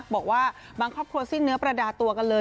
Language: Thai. บอกว่าบางครอบครัวสิ้นเนื้อประดาตัวกันเลย